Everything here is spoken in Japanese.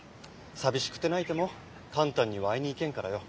寂しくて泣いても簡単には会いに行けんからよ。